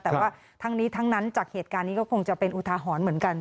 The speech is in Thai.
แต่ว่าทั้งนี้ทั้งนั้นจากเหตุการณ์นี้ก็คงจะเป็นอุทาหรณ์เหมือนกัน